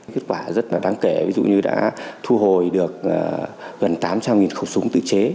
kết quả rất là đáng kể ví dụ như đã thu hồi được gần tám trăm linh khẩu súng tự chế